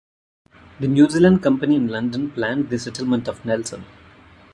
The New Zealand Company in London planned the settlement of Nelson.